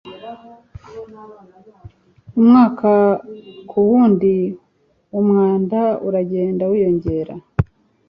Umwaka ku wundi, umwanda uragenda wiyongera